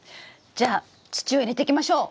じゃあ土を入れていきましょう。